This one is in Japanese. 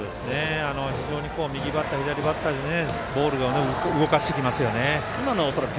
非常に右バッター左バッターで、ボールを動かしてきますよね。